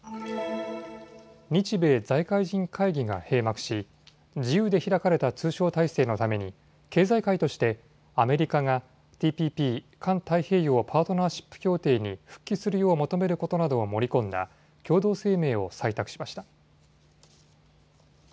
日米財界人会議が閉幕し自由で開かれた通商体制のために経済界としてアメリカがＴＰＰ・環太平洋パートナーシップ協定に復帰するよう求めることなどを盛り込んだ共同声明を採択しました。